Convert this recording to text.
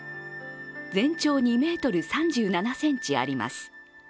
全長２ｍ３７ｃｍあります。